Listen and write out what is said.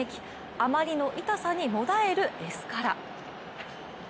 あまりの痛さにもだえるエスカラ。